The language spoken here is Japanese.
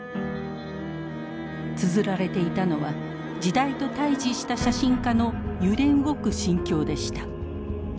つづられていたのは時代と対峙した写真家の揺れ動く心境でした。